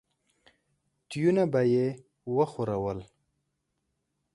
تيونه به يې وښورول.